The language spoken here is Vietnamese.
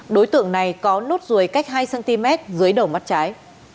đối tượng này có nốt ruồi cách hai cm dưới đầu mắt trái